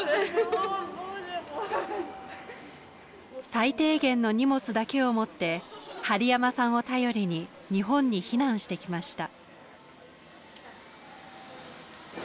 最低限の荷物だけを持って針山さんを頼りに日本に避難してきました。